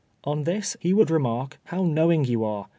On this he would remark, "How knowing you are!